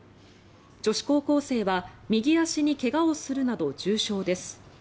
女子高校生は右足に怪我をするなど重傷です。